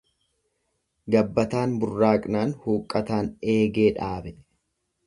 Gabbataan burraaqnaan huqqataan eegee dhaabe.